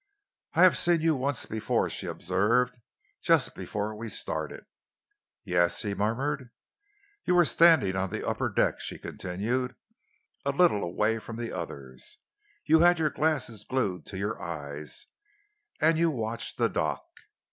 "I have seen you once before," she observed, "just before we started." "Yes?" he murmured. "You were standing on the upper deck," she continued, "a little away from the others. You had your glasses glued to your eyes and you watched the dock.